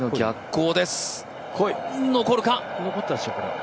残ったでしょう、これは。